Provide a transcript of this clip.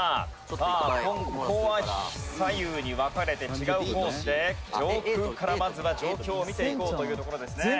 「さあ、ここは左右に分かれて違うコースで、上空からまずは状況を見ていこうというところですね」